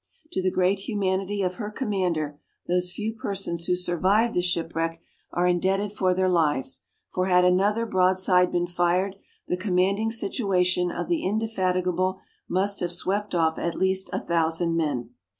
To the great humanity of her commander, those few persons who survived the shipwreck, are indebted for their lives, for had another broadside been fired, the commanding situation of the Indefatigable must have swept off at least a thousand men.